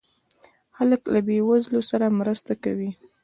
خلک له بې وزلو سره مرسته کوي.